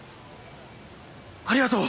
ありがとう！